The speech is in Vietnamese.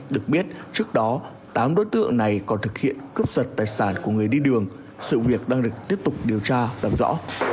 được biết trước đó tám đối tượng này còn thực hiện cướp giật tài sản của người đi đường sự việc đang được tiếp tục điều tra làm rõ